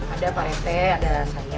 ada pak rese ada saya